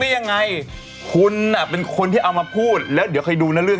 โดยกัญชัยกำเนิดพลังพันธกรุง